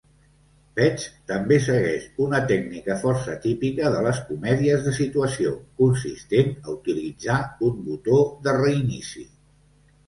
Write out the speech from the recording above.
"Pets" també segueix una tècnica força típica de les comèdies de situació, consistent a utilitzar un "botó de reinici".